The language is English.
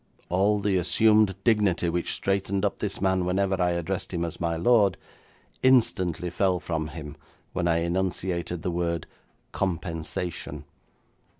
All the assumed dignity which straightened up this man whenever I addressed him as 'my lord', instantly fell from him when I enunciated the word 'compensation'.